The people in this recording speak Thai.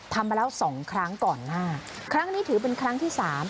มาแล้วสองครั้งก่อนหน้าครั้งนี้ถือเป็นครั้งที่สาม